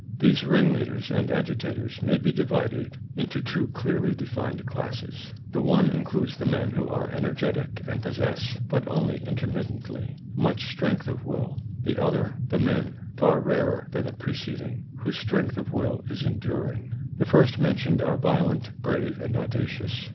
These ringleaders and agitators may be divided into two clearly defined classes. The one includes the men who are energetic and possess, but only intermittently, much strength of will, the other the men, far rarer than the preceding, whose strength of will is enduring. The first mentioned are violent, brave, and audacious.